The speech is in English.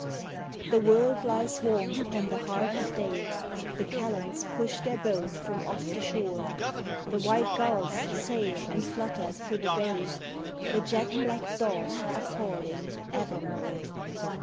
The world lies warm upon the heart of day, The callants push their boat from off the shore, The white gulls sail and flutter through the bay, The jet black daws are calling evermore.